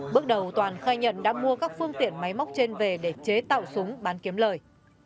bước đầu toàn khai nhận đã mua các phương tiện máy móc trên về để chế tạo súng bán kiếm lời